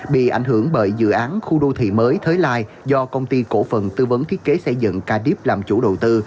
bị ảnh hưởng bởi dự án khu đô thị mới thới lai do công ty cổ phần tư vấn thiết kế xây dựng ca đi làm chủ đầu tư